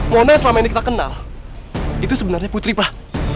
mona yang selama ini kita kenal itu sebenarnya putri pak